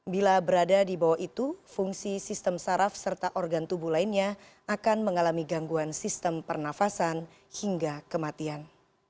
bila berada di bawah itu fungsi sistem saraf serta organ tubuh lainnya akan mengalami gangguan sistem pernafasan hingga kematian